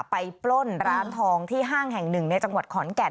ปล้นร้านทองที่ห้างแห่งหนึ่งในจังหวัดขอนแก่น